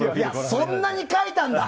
そんなに書いたんだ！